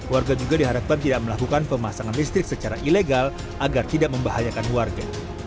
warga juga diharapkan tidak melakukan pemasangan listrik secara ilegal agar tidak membahayakan warga